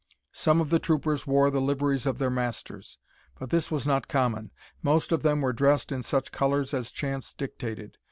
Some of the troopers wore the liveries of their masters, but this was not common. Most of them were dressed in such colours as chance dictated.